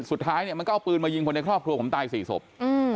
สุดท้ายเนี่ยมันก็เอาปืนมายิงคนในครอบครัวผมตายสี่ศพ